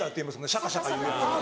シャカシャカいうやつ。